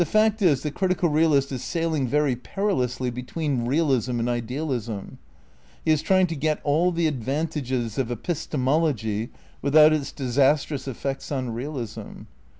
Ill THE CRITICAL PEEPAEATIONS 131 The fact is the critical realist is sailing very peril ously between realism and idealism. He is trying to get all the advantages of epistemology without its dis astrous effects on realism.